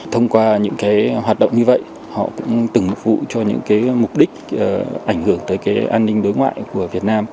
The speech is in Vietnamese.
thông qua những hoạt động như vậy họ cũng từng phụ cho những mục đích ảnh hưởng tới an ninh đối ngoại của việt nam